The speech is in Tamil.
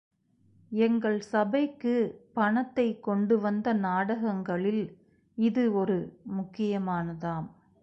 எங்கள் சபைக்குப் பணத்தைக் கொண்டு வந்த நாடகங்களில் இது ஒரு முக்கியமானதாம்.